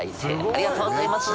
ありがとうございます。